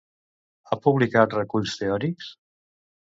Ha publicat reculls teòrics?